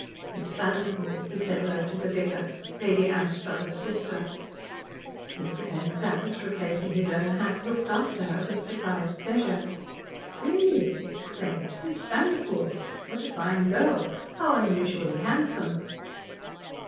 "Miss Vanderpoel," he said low to the vicar, "Lady Anstruther's sister." Mr. Penzance, replacing his own hat, looked after her with surprised pleasure. "Really," he exclaimed, "Miss Vanderpoel! What a fine girl! How unusually handsome!"